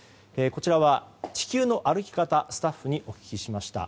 こちらは、「地球の歩き方」のスタッフにお聞きしました。